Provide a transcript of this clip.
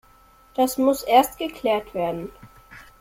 Das muss erst geklärt werden.